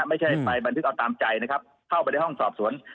ไม่ใช่ไปบันทึกเอาตามใจนะครับเข้าไปในห้องสอบสวน